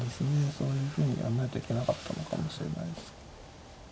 そういうふうにやんないといけなかったのかもしれないです。